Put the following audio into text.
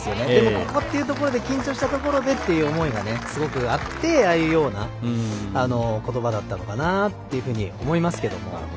ここっていうところで緊張したところでっていう思いがすごくあって、ああいうような言葉だったのかなっていうふうに思いますけども。